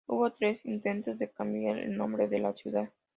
Hubo tres intentos de cambiar el nombre de la ciudad.